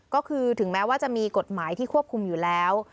ก็คือถึงแม้ว่าจะมีกฎหมายที่ควบคุมอยู่แล้ว